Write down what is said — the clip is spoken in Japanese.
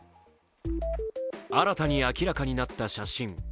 新たに明らかになった写真。